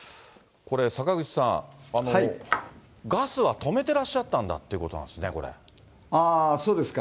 これ、坂口さん、ガスは止めてらっしゃったんだということなんですね、そうですか。